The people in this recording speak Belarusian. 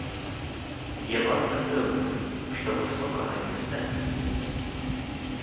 Я вас запэўніваю, што высокага месца не будзе.